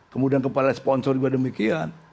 kemudian kepala sponsor juga demikian